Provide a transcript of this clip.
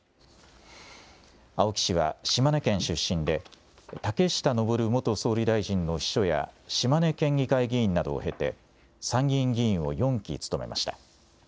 青木氏は島根県出身で、竹下登元総理大臣の秘書や、島根県議会議員などを経て、参議院議員を４期務めました。